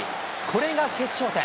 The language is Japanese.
これが決勝点。